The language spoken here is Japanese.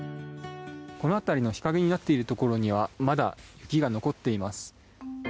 この辺りの日陰になっているところではまだ雪が残っています。